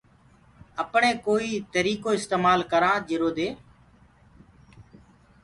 اپڻي ڪوئيٚ تريٚڪو اِستمآل ڪرآنٚ جرو دي